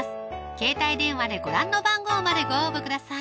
携帯電話でご覧の番号までご応募ください